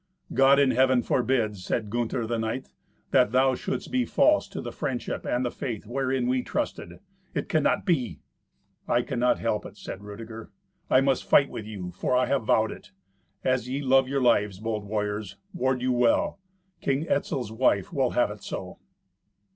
"God in Heaven forbid," said Gunther the knight, "that thou shouldst be false to the friendship and the faith wherein we trusted. It cannot be." "I cannot help it," said Rudeger. "I must fight with you, for I have vowed it. As ye love your lives, bold warriors, ward you well. King Etzel's wife will have it so."